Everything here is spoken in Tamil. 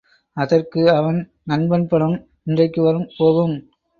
அதற்கு அவன் நண்பன் பணம் இன்றைக்கு வரும் போகும்.